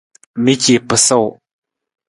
Mi ci pasuu.